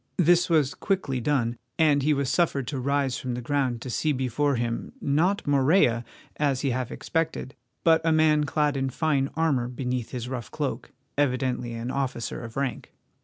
This was quickly done, and he was suffered to rise from the ground to see before him, not Morella, as he half expected, but a man clad in fine armour beneath his rough cloak, evidently an officer of rank.